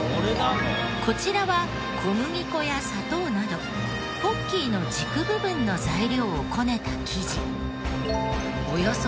こちらは小麦粉や砂糖などポッキーの軸部分の材料をこねた生地。